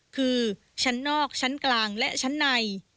คือชั้นนอกชั้นกลางและชั้นใน